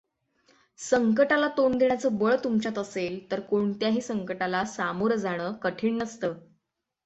संकटाला तोंड देण्याचं बळ तुमच्यात असेल तर कोणत्याही संकटाला सामोरं जाणं कठीण नसतं.